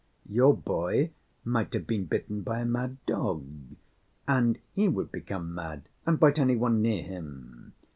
Your boy might have been bitten by a mad dog and he would become mad and bite any one near him.